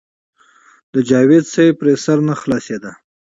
د جاوېد صېب پرې سر نۀ خلاصېدۀ -